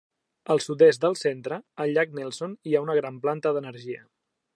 Al sud-est del centre, al llac Nelson hi ha una gran planta d'energia.